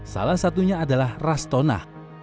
salah satunya adalah rastona